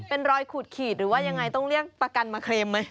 เป็นรอยขูดขีดหรือว่ายังไงต้องเรียกประกันมาเคลมไหม